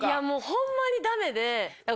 ホンマにダメで。